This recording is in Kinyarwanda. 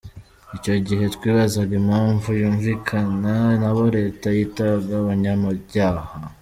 Icyo gihe twibazaga impamvu yakumvikana n’abo leta yitaga “abanyabyaha”.